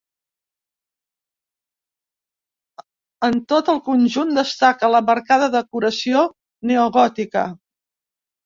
En tot el conjunt destaca la marcada decoració neogòtica.